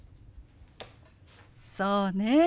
そうね。